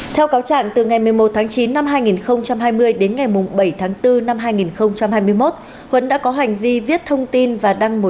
theo cáo trạng từ ngày một mươi một tháng chín năm hai nghìn hai mươi đến ngày bảy tháng bốn năm hai nghìn hai mươi một huấn đã có hành vi viết thông tin và đăng